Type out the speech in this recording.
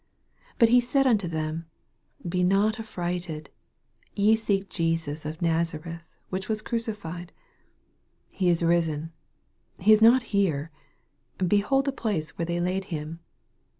6 And he saith unto them, Be not affrighted: Ye seek Jesus of Naza reth, which was crucified : he is risen ; he is not here : oehold the place where they laid him.